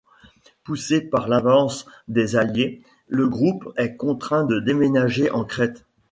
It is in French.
Poussé par l'avance des Alliés, le groupe est contraint de déménager en Crête.